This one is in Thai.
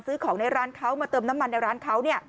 ซื้อของในร้านเขามาเติมน้ำมันในร้านเขา